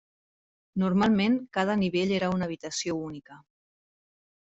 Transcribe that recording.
Normalment cada nivell era una habitació única.